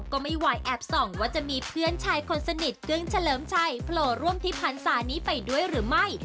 ก็ไม่ไหวแอบส่องว่าจะมีเพื่อนชายคนสนิทกึ้งเฉลิมชัยโผล่ร่วมที่พันศานี้ไปด้วยหรือไม่